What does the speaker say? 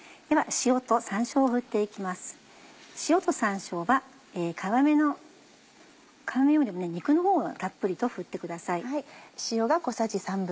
塩と山椒は皮目よりも肉のほうをたっぷりと振ってください。